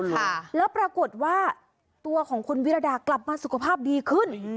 ค่ะแล้วปรากฏว่าตัวของคุณวิรดากลับมาสุขภาพดีขึ้น